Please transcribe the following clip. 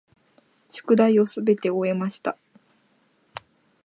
宿題をすべて終えました。